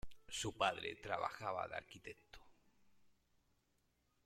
Su padre trabajaba de arquitecto.